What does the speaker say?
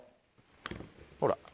ほら。